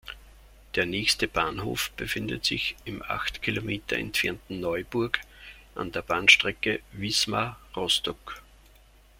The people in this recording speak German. Der nächste Bahnhof befindet sich im acht Kilometer entfernten Neuburg an der Bahnstrecke Wismar–Rostock.